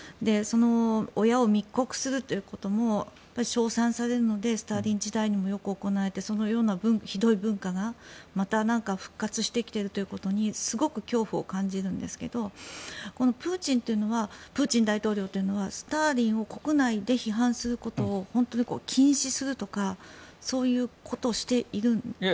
親を密告するということも称賛されるのでスターリン時代にもよく行われてそのようなひどい文化がまた復活してきているということにすごく恐怖を感じるんですがプーチン大統領というのはスターリンを国内で批判することを本当に禁止するとかそういうことをしているんでしょうか。